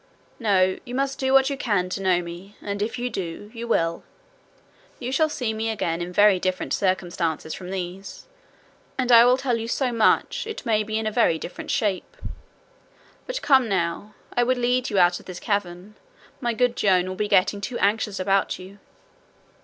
No; you must do what you can to know me, and if you do, you will. You shall see me again in very different circumstances from these, and, I will tell you so much, it may be in a very different shape. But come now, I will lead you out of this cavern; my good Joan will be getting too anxious about you.